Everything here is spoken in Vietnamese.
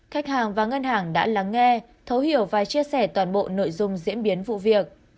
khách hàng và ngân hàng đã lắng nghe thấu hiểu và chia sẻ toàn bộ nội dung diễn biến vụ việc